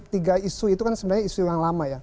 tiga isu itu kan sebenarnya isu yang lama ya